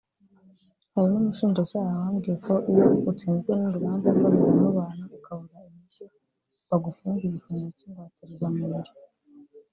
Hari n’umushinjacyaha wambwiye ko iyo utsinzwe n’urubanza mboneza mubano ukabura inyishyu bagufunga igifungo cy’ingwatirizamubiri